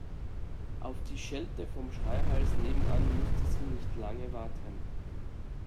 Auf die Schelte vom Schreihals nebenan musste sie nicht lange warten.